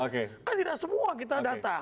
kan tidak semua kita data